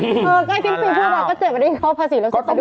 เออใกล้สิ้นปีผู้ตัวพ่อก็เจ็บอันนี้เขาภาษีแล้วเสร็จไปดู